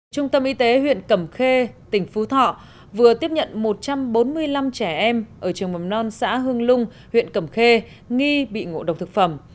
trung tâm y tế huyện cẩm khê tỉnh phú thọ vừa tiếp nhận một trăm bốn mươi năm trẻ em ở trường mầm non xã hương lung huyện cẩm khê nghi bị ngộ độc thực phẩm